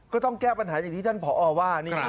ก็ต้องแก้ปัญหาอย่างที่ท่านผอว่า